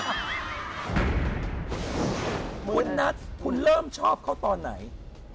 คุณนัทคุณเริ่มชอบเขาตอนไหน